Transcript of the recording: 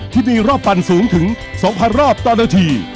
ที่มีรอบปั่นสูงถึง๒๐๐รอบต่อนาที